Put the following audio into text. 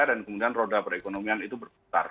dan kemudian roda perekonomian itu berputar